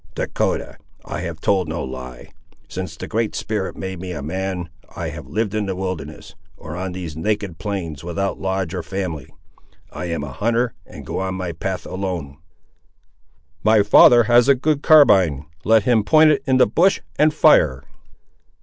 "Dahcotah, I have told no lie. Since the Great Spirit made me a man, I have lived in the wilderness, or on these naked plains, without lodge or family. I am a hunter and go on my path alone." "My father has a good carabine. Let him point it in the bush and fire."